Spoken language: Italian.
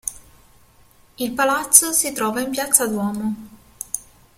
Il palazzo si trova in Piazza Duomo.